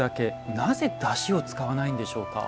なぜ、だしを使わないんでしょうか。